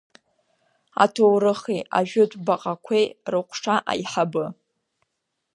Аҭоурыхи ажәытә баҟақ әеи рыҟәша аиҳабы.